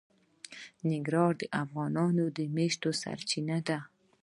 ننګرهار د افغانانو د معیشت سرچینه ده.